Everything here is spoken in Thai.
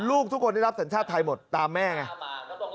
ลูกทุกคนได้รับสัญชาติไทยหมดตามแม่ไง